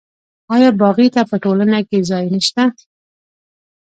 آیا باغي ته په ټولنه کې ځای نشته؟